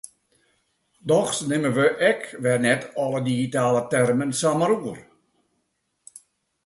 Dochs nimme we ek wer net alle digitale termen samar oer.